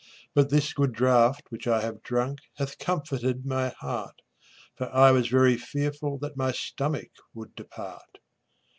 But this good draught which I have drunk Hath comforted my heart, For I was very fearful that My stomach would depart.